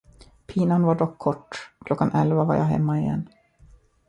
Pinan var dock kort, klockan elva var jag hemma igen.